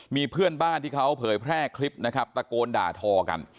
มีเพื่อนบ้านที่เขาเผยแพร่คลิปนะครับตะโกนด่าทอกัน